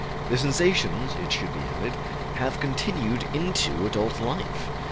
These sensations, it should be added, have continued into adult life.